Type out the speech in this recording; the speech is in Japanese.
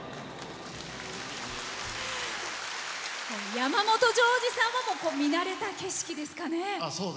山本譲二さんも見慣れた景色ですかね。